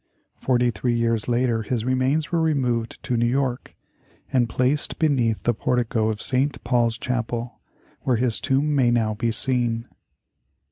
Forty three years later his remains were removed to New York, and placed beneath the portico of St. Paul's Chapel, where his tomb may now be seen.